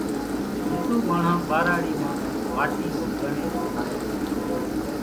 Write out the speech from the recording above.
هنڌُو ماڻۿان ٻاراڙِي مان ماٽِي نو ڳڻيۿ ٺاۿيَ سي۔